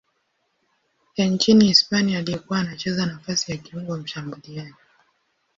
ya nchini Hispania aliyekuwa anacheza nafasi ya kiungo mshambuliaji.